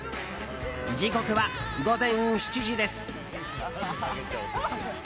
時刻は午前７時です。